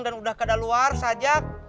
dan udah ke daluar seajak